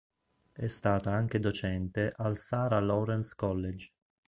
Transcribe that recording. È stata anche docente al Sarah Lawrence College.